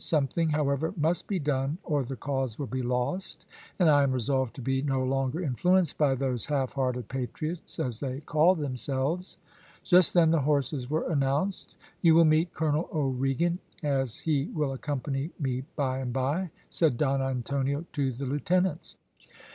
"Something, however, must be done or the cause will be lost, and I am resolved to be no longer influenced by those half hearted patriots as they call themselves." Just then the horses were announced. "You will meet Colonel O'Regan, as he will accompany me by and by," said Don Antonio to the lieutenants.